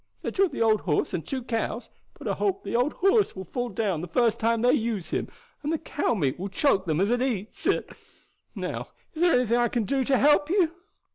They took the old horse and two cows; but I hope the old horse will fall down the first time they uses him, and the cow meat will choke them as eats it. Now, is there anything as I can do to help you?"